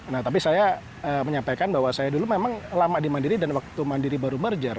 nah tapi saya menyampaikan bahwa saya dulu memang lama di mandiri dan waktu mandiri baru merger